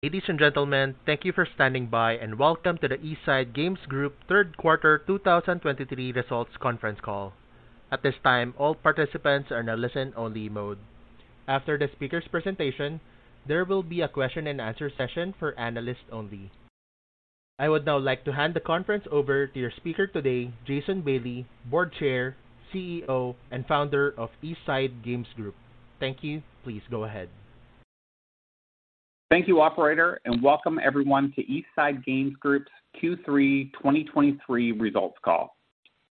Ladies and gentlemen, thank you for standing by, and welcome to the East Side Games Group third quarter 2023 results conference call. At this time, all participants are in a listen-only mode. After the speaker's presentation, there will be a question and answer session for analysts only. I would now like to hand the conference over to your speaker today, Jason Bailey, Board Chair, CEO, and Founder of East Side Games Group. Thank you. Please go ahead. Thank you, operator, and welcome everyone to East Side Games Group's Q3 2023 results call.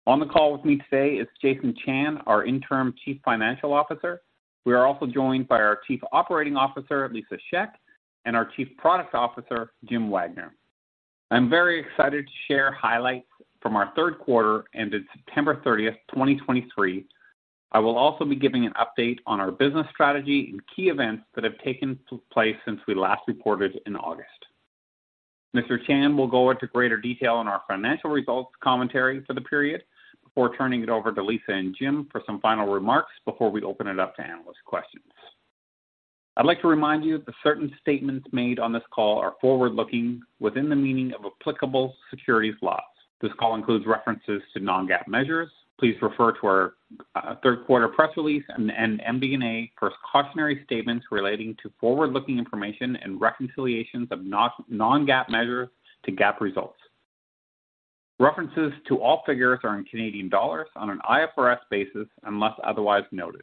On the call with me today is Jason Chan, our interim Chief Financial Officer. We are also joined by our Chief Operating Officer, Lisa Shek, and our Chief Product Officer, Jim Wagner. I'm very excited to share highlights from our third quarter, ended September 30, 2023. I will also be giving an update on our business strategy and key events that have taken place since we last reported in August. Mr. Chan will go into greater detail on our financial results commentary for the period before turning it over to Lisa and Jim for some final remarks before we open it up to analyst questions. I'd like to remind you that certain statements made on this call are forward-looking within the meaning of applicable securities laws. This call includes references to non-GAAP measures. Please refer to our third quarter press release and MD&A for cautionary statements relating to forward-looking information and reconciliations of non-GAAP measures to GAAP results. References to all figures are in CAD on an IFRS basis, unless otherwise noted.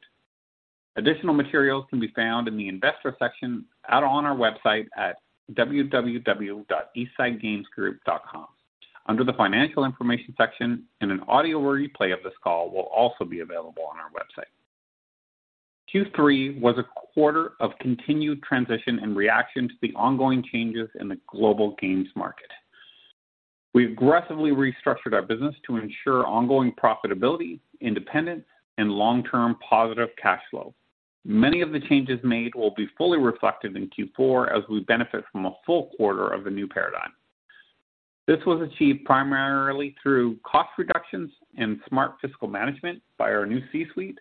Additional materials can be found in the investor section out on our website at www.eastsidegamesgroup.com under the Financial Information section, and an audio replay of this call will also be available on our website. Q3 was a quarter of continued transition and reaction to the ongoing changes in the global games market. We aggressively restructured our business to ensure ongoing profitability, independence, and long-term positive cash flow. Many of the changes made will be fully reflected in Q4 as we benefit from a full quarter of the new paradigm. This was achieved primarily through cost reductions and smart fiscal management by our new C-suite.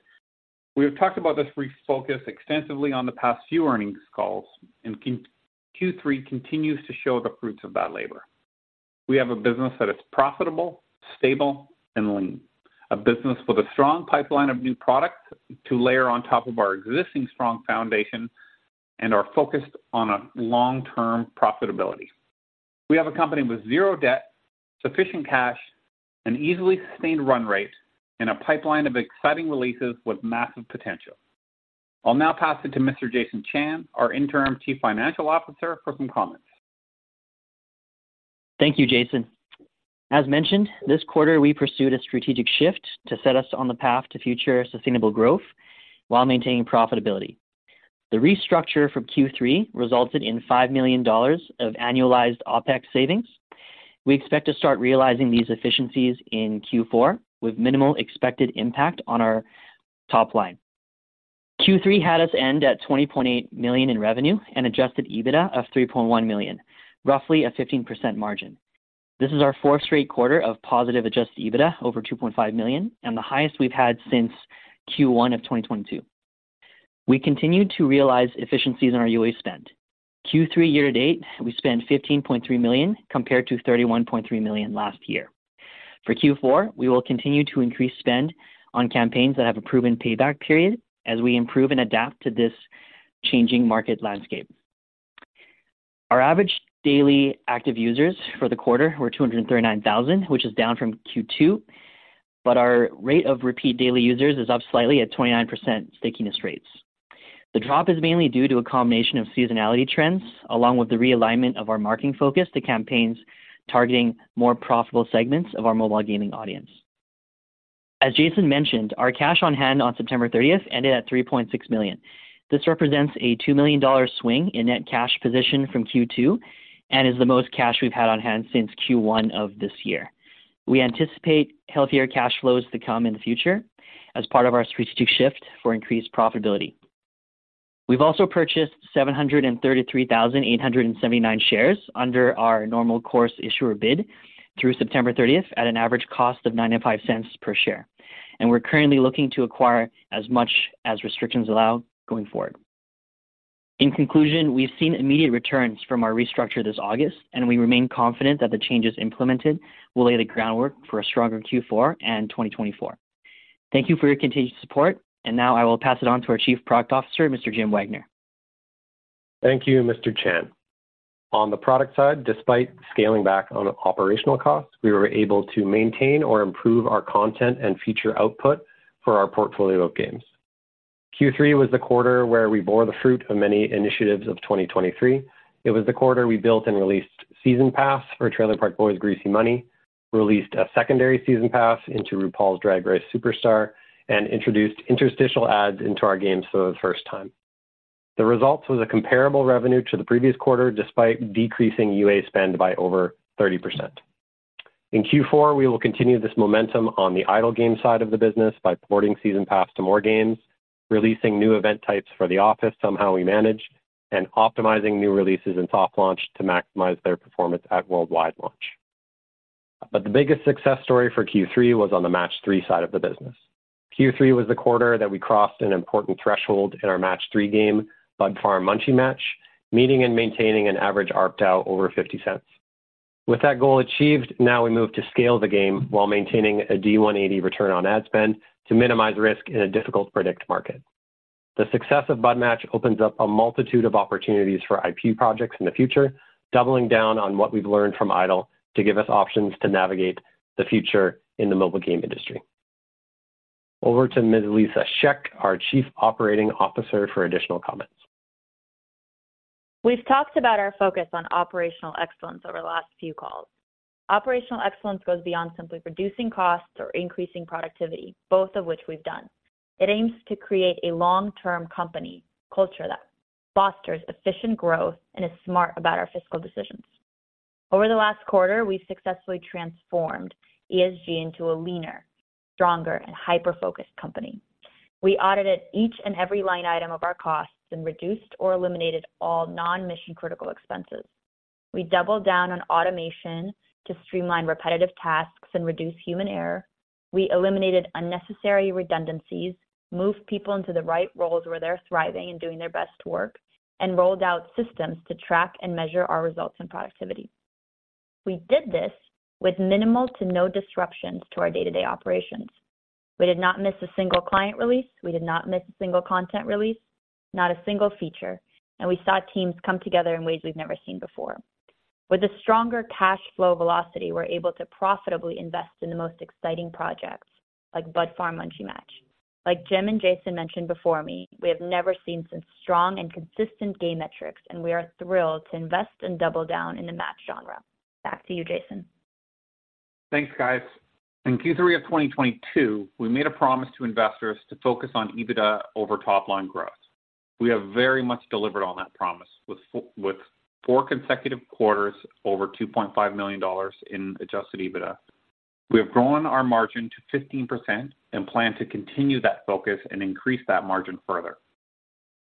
We have talked about this refocus extensively on the past few earnings calls, and Q3 continues to show the fruits of that labor. We have a business that is profitable, stable, and lean. A business with a strong pipeline of new products to layer on top of our existing strong foundation and are focused on a long-term profitability. We have a company with zero debt, sufficient cash, an easily sustained run rate, and a pipeline of exciting releases with massive potential. I'll now pass it to Mr. Jason Chan, our interim Chief Financial Officer, for some comments. Thank you, Jason. As mentioned, this quarter, we pursued a strategic shift to set us on the path to future sustainable growth while maintaining profitability. The restructure from Q3 resulted in 5,000,000 dollars of annualized OpEx savings. We expect to start realizing these efficiencies in Q4, with minimal expected impact on our top line. Q3 had us end at 20,800,000 in revenue and adjusted EBITDA of 3,100,000, roughly a 15% margin. This is our fourth straight quarter of positive adjusted EBITDA over 2,500,000 and the highest we've had since Q1 of 2022. We continued to realize efficiencies in our UA spend. Q3 year to date, we spent 15,300,000, compared to 31,300,000 last year. For Q4, we will continue to increase spend on campaigns that have a proven payback period as we improve and adapt to this changing market landscape. Our average daily active users for the quarter were 239,000, which is down from Q2, but our rate of repeat daily users is up slightly at 29% stickiness rates. The drop is mainly due to a combination of seasonality trends, along with the realignment of our marketing focus to campaigns targeting more profitable segments of our mobile gaming audience. As Jason mentioned, our cash on hand on September thirtieth ended at 3,600,000. This represents a 2,000,000 dollar swing in net cash position from Q2 and is the most cash we've had on hand since Q1 of this year. We anticipate healthier cash flows to come in the future as part of our strategic shift for increased profitability. We've also purchased 733,879 shares under our Normal Course Issuer Bid through September 30 at an average cost of 0.095 per share, and we're currently looking to acquire as much as restrictions allow going forward. In conclusion, we've seen immediate returns from our restructure this August, and we remain confident that the changes implemented will lay the groundwork for a stronger Q4 and 2024. Thank you for your continued support, and now I will pass it on to our Chief Product Officer, Mr. Jim Wagner. Thank you, Mr. Chan. On the product side, despite scaling back on operational costs, we were able to maintain or improve our content and feature output for our portfolio of games. Q3 was the quarter where we bore the fruit of many initiatives of 2023. It was the quarter we built and released Season Pass for Trailer Park Boys: Greasy Money, released a secondary Season Pass into RuPaul's Drag Race Superstar, and introduced interstitial ads into our games for the first time. The results was a comparable revenue to the previous quarter, despite decreasing UA spend by over 30%. In Q4, we will continue this momentum on the idle game side of the business by porting Season Pass to more games, releasing new event types for The Office: Somehow We Manage, and optimizing new releases in soft launch to maximize their performance at worldwide launch.... But the biggest success story for Q3 was on the match 3 side of the business. Q3 was the quarter that we crossed an important threshold in our match 3 game, Bud Farm: Munchie Match, meeting and maintaining an average ARPDAU over 0.50. With that goal achieved, now we move to scale the game while maintaining a D180 return on ad spend to minimize risk in a difficult predict market. The success of Bud Match opens up a multitude of opportunities for IP projects in the future, doubling down on what we've learned from idle to give us options to navigate the future in the mobile game industry. Over to Ms. Lisa Shek, our Chief Operating Officer, for additional comments. We've talked about our focus on operational excellence over the last few calls. Operational excellence goes beyond simply reducing costs or increasing productivity, both of which we've done. It aims to create a long-term company culture that fosters efficient growth and is smart about our fiscal decisions. Over the last quarter, we successfully transformed ESG into a leaner, stronger, and hyper-focused company. We audited each and every line item of our costs and reduced or eliminated all non-mission critical expenses. We doubled down on automation to streamline repetitive tasks and reduce human error. We eliminated unnecessary redundancies, moved people into the right roles where they're thriving and doing their best work, and rolled out systems to track and measure our results and productivity. We did this with minimal to no disruptions to our day-to-day operations. We did not miss a single client release, we did not miss a single content release, not a single feature, and we saw teams come together in ways we've never seen before. With a stronger cash flow velocity, we're able to profitably invest in the most exciting projects like Bud Farm: Munchie Match. Like Jim and Jason mentioned before me, we have never seen such strong and consistent game metrics, and we are thrilled to invest and double down in the Match genre. Back to you, Jason. Thanks, guys. In Q3 of 2022, we made a promise to investors to focus on EBITDA over top line growth. We have very much delivered on that promise, with four consecutive quarters over 2,500,000 dollars in adjusted EBITDA. We have grown our margin to 15% and plan to continue that focus and increase that margin further.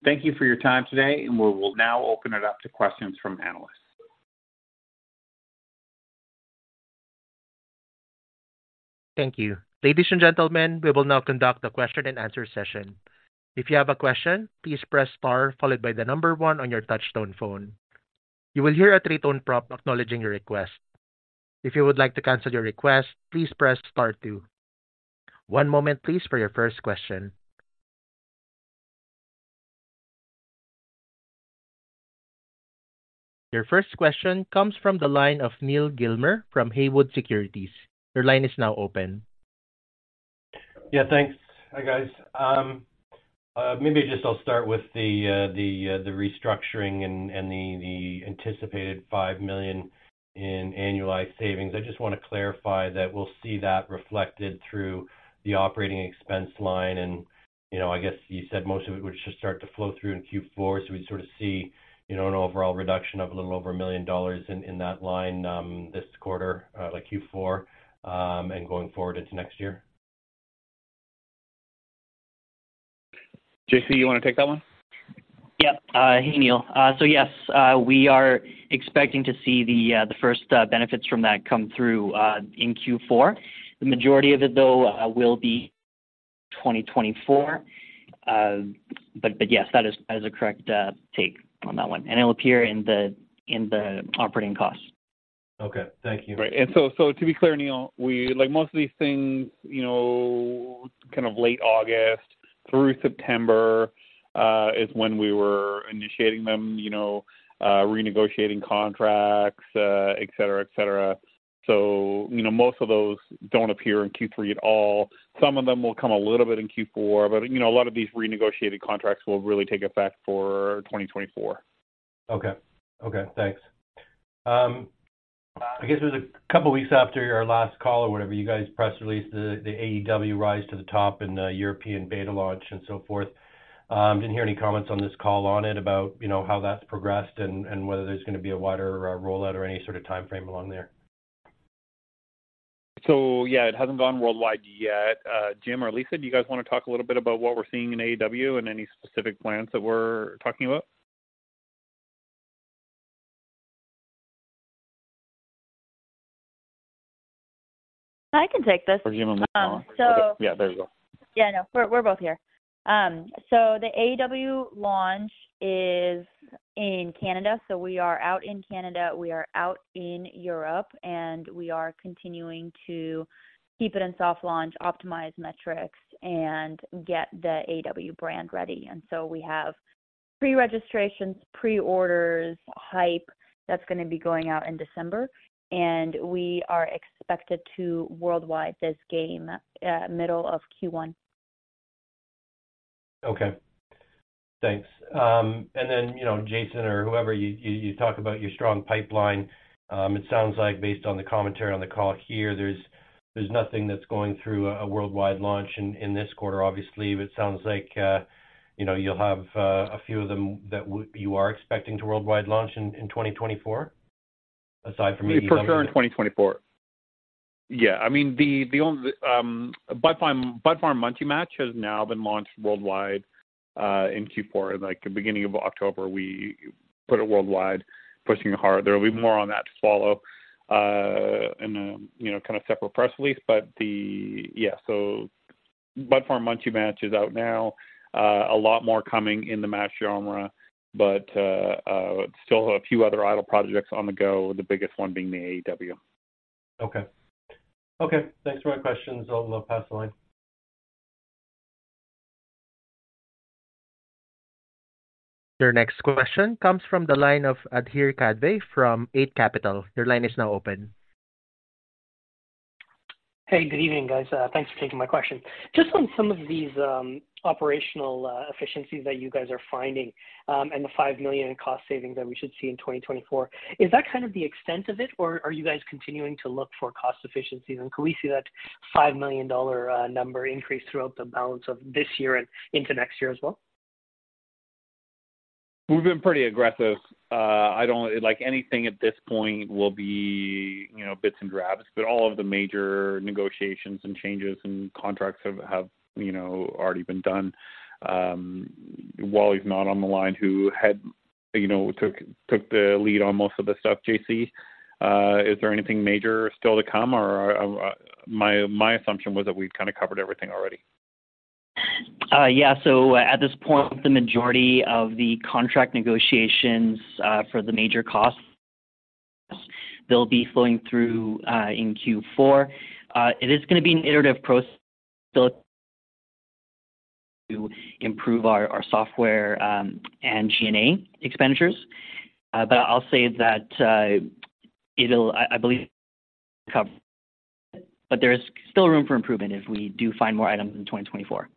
Thank you for your time today, and we will now open it up to questions from analysts. Thank you. Ladies and gentlemen, we will now conduct a question and answer session. If you have a question, please press star followed by the number 1 on your touchtone phone. You will hear a 3-tone prompt acknowledging your request. If you would like to cancel your request, please press star 2. One moment, please, for your first question. Your first question comes from the line of Neal Gilmer from Haywood Securities. Your line is now open. Yeah, thanks. Hi, guys. Maybe just I'll start with the restructuring and the anticipated 5,000,000 in annualized savings. I just want to clarify that we'll see that reflected through the operating expense line and, you know, I guess you said most of it would just start to flow through in Q4. So we sort of see, you know, an overall reduction of a little over 1,000,000 dollars in that line, this quarter, like Q4, and going forward into next year. JC, you want to take that one? Yep. Hey, Neil. So yes, we are expecting to see the first benefits from that come through in Q4. The majority of it, though, will be 2024. But yes, that is a correct take on that one, and it'll appear in the operating costs. Okay. Thank you. Right. So, to be clear, Neil, we like most of these things, you know, kind of late August through September, is when we were initiating them, you know, renegotiating contracts, et cetera, et cetera. So, you know, most of those don't appear in Q3 at all. Some of them will come a little bit in Q4, but, you know, a lot of these renegotiated contracts will really take effect for 2024. Okay. Okay, thanks. I guess it was a couple of weeks after our last call or whatever, you guys press released the AEW: Rise to the Top and the European beta launch and so forth. Didn't hear any comments on this call on it about, you know, how that's progressed and whether there's going to be a wider rollout or any sort of timeframe along there. So yeah, it hasn't gone worldwide yet. Jim or Lisa, do you guys want to talk a little bit about what we're seeing in AEW and any specific plans that we're talking about? I can take this. Or you may want to... Um, so- Yeah, there you go. Yeah, no, we're both here. So the AEW launch is in Canada, so we are out in Canada, we are out in Europe, and we are continuing to keep it in soft launch, optimize metrics, and get the AEW brand ready. So we have pre-registrations, pre-orders, hype that's going to be going out in December, and we are expected to worldwide this game, middle of Q1. Okay. Thanks. And then, you know, Jason or whoever, you talk about your strong pipeline. It sounds like based on the commentary on the call here, there's nothing that's going through a worldwide launch in this quarter. Obviously, it sounds like, you know, you'll have a few of them that would—you are expecting to worldwide launch in 2024? Aside from AEW- For sure in 2024. Yeah, I mean, the only Bud Farm: Munchie Match has now been launched worldwide in Q4, and like the beginning of October, we put it worldwide, pushing hard. There will be more on that to follow in a, you know, kind of separate press release. But yeah, so Bud Farm: Munchie Match is out now. A lot more coming in the match genre, but still have a few other idle projects on the go, the biggest one being the AEW. Okay. Okay, thanks for my questions. I'll, I'll pass the line. Your next question comes from the line of Adhir Kadve from Eight Capital. Your line is now open. Hey, good evening, guys. Thanks for taking my question. Just on some of these operational efficiencies that you guys are finding, and the 5,000,000 in cost savings that we should see in 2024. Is that kind of the extent of it, or are you guys continuing to look for cost efficiencies, and can we see that 5,000,000 dollar number increase throughout the balance of this year and into next year as well? We've been pretty aggressive. I don't... Like, anything at this point will be, you know, bits and drabs, but all of the major negotiations and changes and contracts have, you know, already been done. Wally's not on the line, who had, you know, took the lead on most of this stuff. JC, is there anything major still to come, or my assumption was that we've kind of covered everything already. Yeah. So at this point, the majority of the contract negotiations for the major costs, they'll be flowing through in Q4. It is gonna be an iterative process still to improve our software and G&A expenditures. But I'll say that, it'll... I believe cover, but there is still room for improvement if we do find more items in 2024.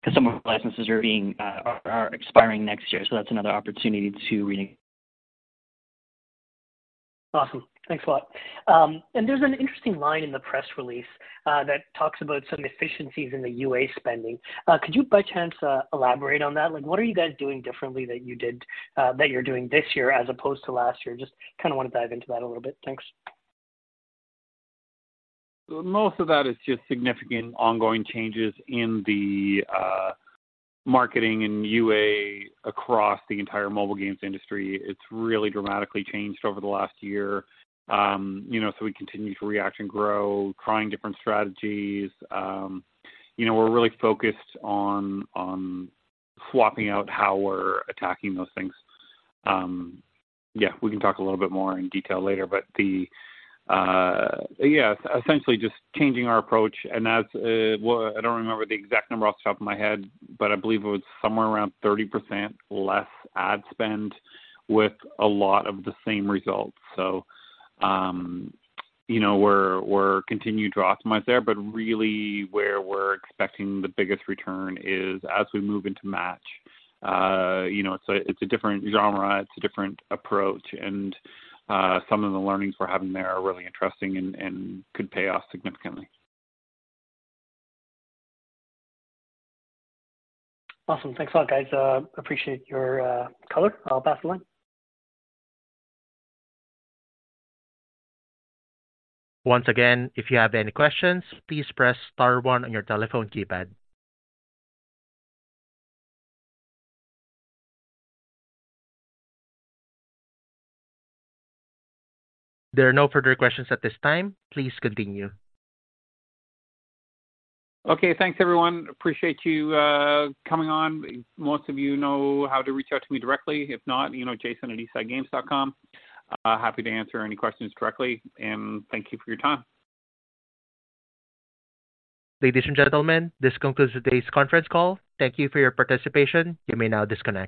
Because some of our licenses are being are expiring next year, so that's another opportunity to re- Awesome. Thanks a lot. And there's an interesting line in the press release that talks about some efficiencies in the UA spending. Could you, by chance, elaborate on that? Like, what are you guys doing differently that you did that you're doing this year as opposed to last year? Just kind of want to dive into that a little bit. Thanks. Most of that is just significant ongoing changes in the marketing and UA across the entire mobile games industry. It's really dramatically changed over the last year. You know, so we continue to react and grow, trying different strategies. You know, we're really focused on swapping out how we're attacking those things. Yeah, we can talk a little bit more in detail later, but the Yeah, essentially just changing our approach. And as well, I don't remember the exact number off the top of my head, but I believe it was somewhere around 30% less ad spend with a lot of the same results. So, you know, we're continuing to optimize there, but really where we're expecting the biggest return is as we move into match. You know, it's a, it's a different genre, it's a different approach, and some of the learnings we're having there are really interesting and could pay off significantly. Awesome. Thanks a lot, guys. Appreciate your color. I'll pass the line. Once again, if you have any questions, please press star one on your telephone keypad. There are no further questions at this time. Please continue. Okay. Thanks, everyone. Appreciate you coming on. Most of you know how to reach out to me directly. If not, you know, jason@eastsidegames.com. Happy to answer any questions directly, and thank you for your time. Ladies and gentlemen, this concludes today's conference call. Thank you for your participation. You may now disconnect.